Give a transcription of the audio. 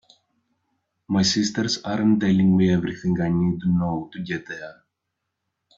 My sisters aren’t telling me everything I need to know to get there.